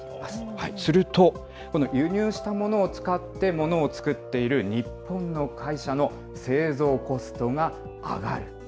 すると、この輸入したものを使って物を作っている日本の会社の製造コストが上がる。